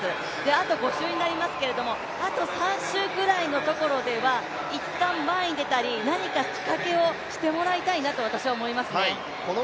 あと５周になりますけれどもあと３周くらいのところでは、一旦前に出たり、何か仕掛けをしてもらいたいなと私は思いますね。